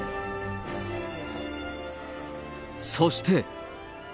そして。